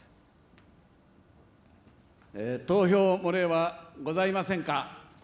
投票漏れはございませんか。